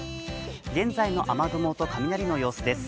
現在の雨雲と雷の様子です。